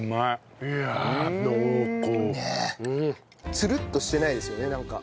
ツルッとしてないですよねなんか。